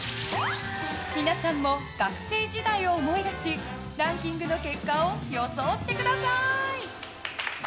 皆さんも学生時代を思い出しランキングの結果を予想してください。